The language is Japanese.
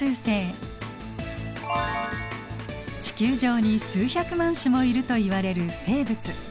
地球上に数百万種もいるといわれる生物。